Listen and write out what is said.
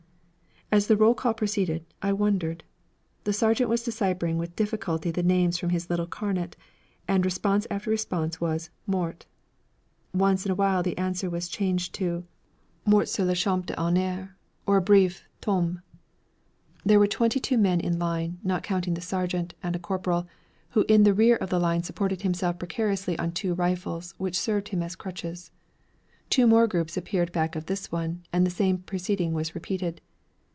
As the roll call proceeded, I wondered. The sergeant was deciphering with difficulty the names from his little carnet, and response after response was, 'Mort.' Once in a while the answer changed to 'Mort sur le champ d'honneur,' or a brief 'Tombé.' There were twenty two men in line, not counting the sergeant and a corporal, who in rear of the line supported himself precariously on two rifles which served him as crutches. Two more groups appeared back of this one, and the same proceeding was repeated.